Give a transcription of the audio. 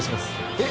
えっ？